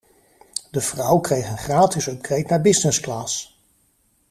De vrouw kreeg een gratis upgrade naar businessclass.